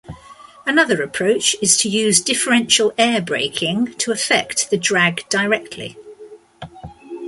Another approach is to use differential air braking to affect the drag directly.